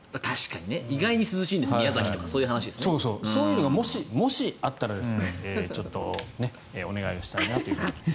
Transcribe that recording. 意外と涼しいんです宮崎とかそういうのがもしあったらちょっとお願いしたいなと。